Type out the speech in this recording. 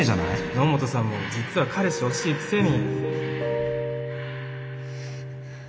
野本さんも実は彼氏欲しいくせに。